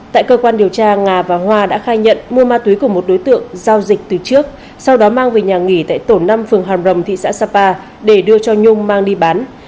tại cơ quan điều tra nga và hoa đã khai nhận mua ma túy của một đối tượng giao dịch từ trước sau đó mang về nhà nghỉ tại tổ năm phường hàm rồng thị xã sapa để đưa cho nhung mang đi bán